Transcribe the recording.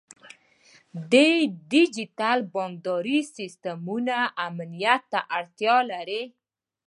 د ډیجیټل بانکدارۍ سیستمونه امنیت ته اړتیا لري.